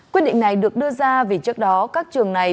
quyết định này được đưa ra vì trước đó các trường này